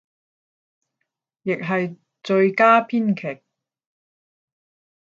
亦係最佳編劇